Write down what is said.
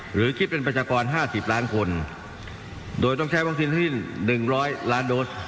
หรือคิดเป็นประชากรห้าสิบล้านคนโดยต้องใช้วัคซีนที่หนึ่งร้อยล้านโดส